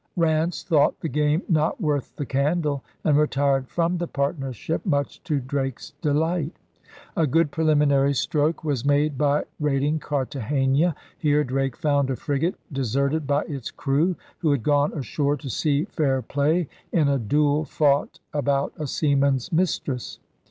Ranse thought the game not worth the candle and retired from the partnership, much to Drake's delight. A good preliminary stroke was made by raid ing Cartagena. Here Drake found a frigate de serted by its crew, who had gone ashore to see fair play in a duel fought about a seaman's mis tress.